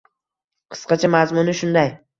Qisqacha mazmuni shunday: